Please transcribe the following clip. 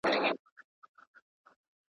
زه به کتاب ليکلی وي،